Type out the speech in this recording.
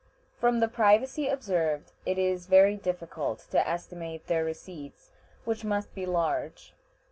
From the privacy observed it is very difficult to estimate their receipts, which must be large.